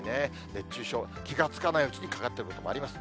熱中症、気が付かないうちにかかっていることもあります。